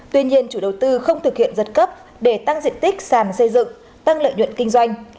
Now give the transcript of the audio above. tuy nhiên chủ đầu tư không thực hiện giật cấp để tăng diện tích sàn xây dựng tăng lợi nhuận kinh doanh